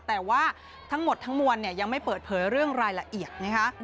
แต่ว่าทั้งหมดทั้งมวลยังไม่เปิดเผยเรื่องรายละเอียดนะคะ